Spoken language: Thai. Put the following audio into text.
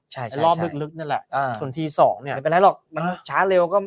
ใช่รอบลึกนั่นแหละส่วนทีสองเนี่ยไม่เป็นไรหรอกมันช้าเร็วก็